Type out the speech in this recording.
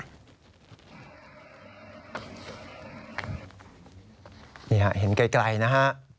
นี่ฮะเห็นไกลนะฮะ